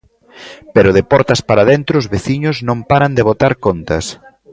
Pero de portas para dentro os veciños non paran de botar contas.